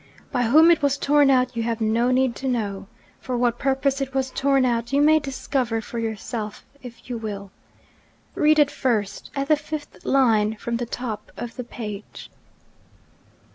By whom it was torn out you have no need to know. For what purpose it was torn out you may discover for yourself, if you will. Read it first at the fifth line from the top of the page.'